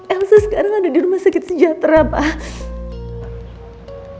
elsa sekarang ada di rumah sakit sejahtera pak